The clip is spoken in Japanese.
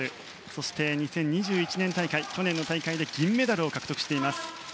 そして、２０２１年大会去年の大会で銀メダルを獲得しています。